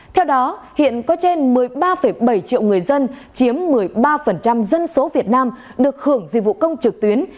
theo đó hiện có trên một mươi ba bảy triệu người dân chiếm một mươi ba dân số việt nam được hưởng dịch vụ công trực tuyến